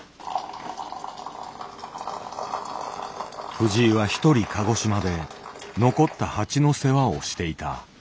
藤井はひとり鹿児島で残った蜂の世話をしていた。